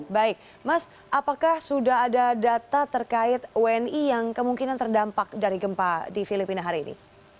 baik mas apakah sudah ada data terkait wni yang kemungkinan terdampak dari gempa di filipina hari ini